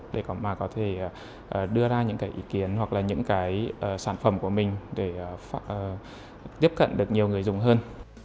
để mà có thể đưa ra những cái ý kiến hoặc là những cái sản phẩm của mình để tiếp cận được nhiều người dùng hơn